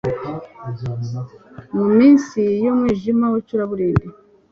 Mu minsi yumwijima wicuraburindi